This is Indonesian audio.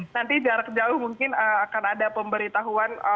nanti jarak jauh mungkin akan ada pemberitahuan